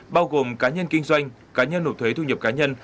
bao gồm cá nhân kinh doanh cá nhân nộp thuế thu nhập cá nhân